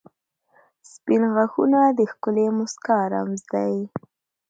• سپین غاښونه د ښکلې مسکا رمز دی.